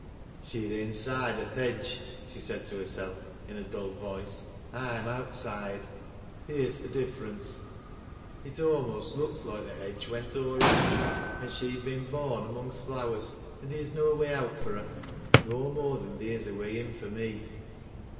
" She's inside o' th' hedge," she said to herself va. a dull »oice. " I'm outside, theer's th' difference. It a'most looks loike the hedge went aw' around an' she'd been bon. among th' flowers, and theer's no way out for her— nc more than theer's a way in fur me."